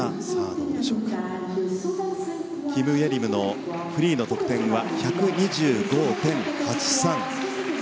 キム・イェリムのフリーの得点は１２５．８３。